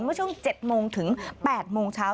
เมื่อช่วง๗โมงถึง๘โมงเช้า